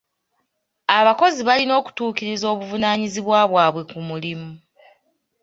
Abakozi balina okutuukiriza obuvunaanyizibwa bwabwe ku mulimu.